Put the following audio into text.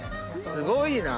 すごいな。